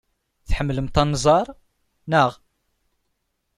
Tḥemmlemt anẓar, naɣ?